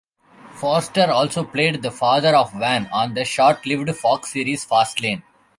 Forster also played the father of Van on the short-lived Fox series "Fastlane".